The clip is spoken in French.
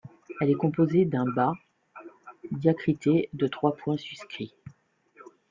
Elle est composée d’un bāʾ diacrité de trois points suscrits.